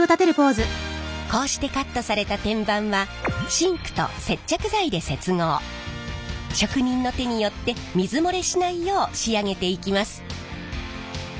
こうしてカットされた天板は職人の手によって水漏れしないよう仕上げていきます。